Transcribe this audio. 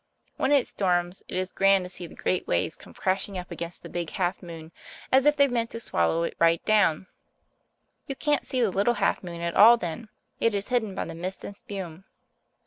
When it storms it is grand to see the great waves come crashing up against the Big Half Moon as if they meant to swallow it right down. You can't see the Little Half Moon at all then; it is hidden by the mist and spume.